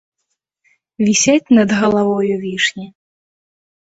Вісяць над галавою вішні.